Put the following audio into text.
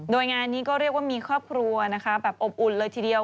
โดยงานนี้ก็เรียกว่ามีครอบครัวนะคะแบบอบอุ่นเลยทีเดียว